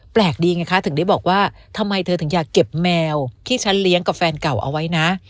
แปลกดีไงคะถึงได้บอกว่าทำไมเธอถึงอยากเก็บแมวที่ฉันเลี้ยงกับแฟนเก่าเอาไว้นะ